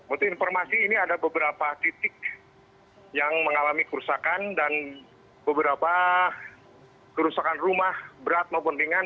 untuk informasi ini ada beberapa titik yang mengalami kerusakan dan beberapa kerusakan rumah berat maupun ringan